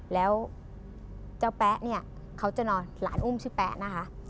แล้วเจ้าแป๊ะเนี่ยเขาจะนอนหลานอุ้มชื่อแป๊ะนะคะ